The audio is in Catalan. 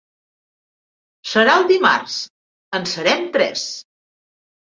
Serà el dimarts; en serem tres.